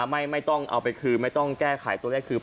ไม่ต้องเอาไปคืนไม่ต้องแก้ไขตัวเลขคือ